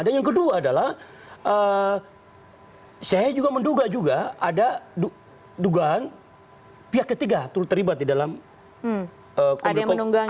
dan yang kedua adalah saya juga menduga juga ada dugaan pihak ketiga terlibat di dalam konflik konflik